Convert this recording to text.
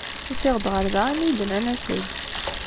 Usiɣ-d ɣer da imi yi-d-nnan as-d.